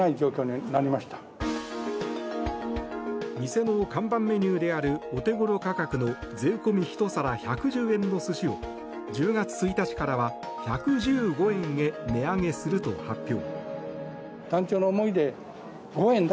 店の看板メニューであるお手頃価格の税込み１皿１１０円の寿司を１０月１日からは１１５円へ値上げすると発表。